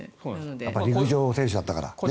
陸上選手だったから。